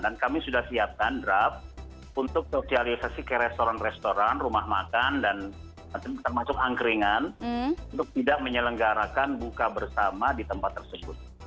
dan kami sudah siapkan draft untuk sosialisasi ke restoran restoran rumah makan dan termasuk angkringan untuk tidak menyelenggarakan buka bersama di tempat tersebut